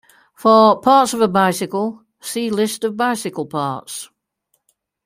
For "parts of a bicycle", see List of bicycle parts.